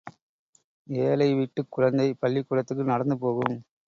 ஏழைவீட்டுக் குழந்தை பள்ளிக்கூடத்துக்கு நடந்துபோகும்.